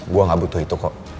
gue gak butuh itu kok